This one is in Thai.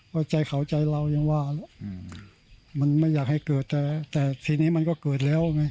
ว่าใจเขาใจเรายังว่ามันไม่อยากให้เกิดแต่แต่ทีนี้มันก็เกิดแล้วไง